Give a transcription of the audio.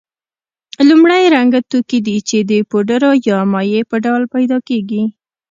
لومړی رنګه توکي دي چې د پوډرو یا مایع په ډول پیدا کیږي.